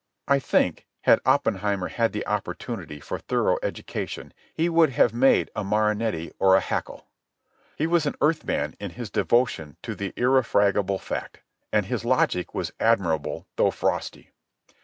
I think, had Oppenheimer had the opportunity for thorough education, he would have made a Marinetti or a Haeckel. He was an earth man in his devotion to the irrefragable fact, and his logic was admirable though frosty.